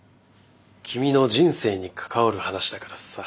君の人生に関わる話だからさ。